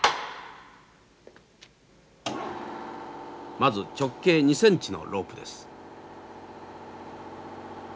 まず直径２センチのロープです。